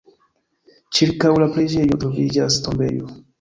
Ĉirkaŭ la preĝejo troviĝas tombejo.